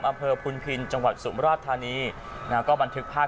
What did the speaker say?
อำเภอพุนพินจังหวัดสุมราชธานีนะฮะก็บันทึกภาพ